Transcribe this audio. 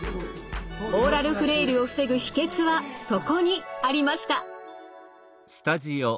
オーラルフレイルを防ぐ秘けつはそこにありました。